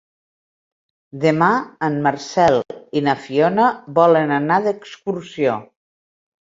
Demà en Marcel i na Fiona volen anar d'excursió.